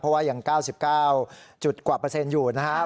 เพราะว่ายัง๙๙กว่าเปอร์เซ็นต์อยู่นะครับ